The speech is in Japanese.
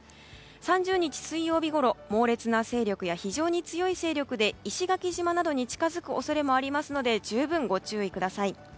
３０日水曜日ごろ猛烈な勢力や非常に強い勢力で石垣島などに近づく恐れもありますので十分、ご注意ください。